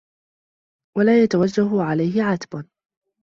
وَلَا يَتَوَجَّهُ عَلَيْهِ عَتْبٌ